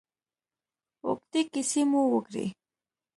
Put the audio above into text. اوږدې کیسې مو وکړې.